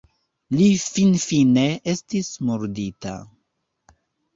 Li finfine estis murdita.